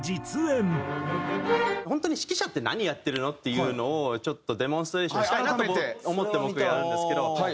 本当に指揮者って何やってるの？っていうのをデモンストレーションしたいなと思って僕やるんですけど。